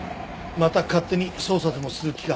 また勝手に捜査でもする気か？